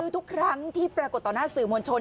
ทุกครั้งที่ปรากฏต่อหน้าสื่อมวลชน